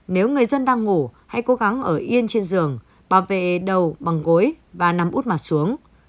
nếu người dân đang ngủ hãy cố gắng ở yên trên giường bảo vệ đầu bằng gối và nằm út mặt xuống